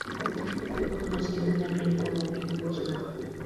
Fue conocido en el ring como Big Boss Man.